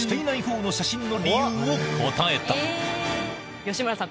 吉村さん